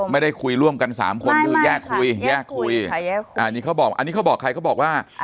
ไม่ได้คุยร่วมกันสามคนคือแยกคุยแยกคุยอันนี้เขาบอกอันนี้เขาบอกใครเขาบอกว่า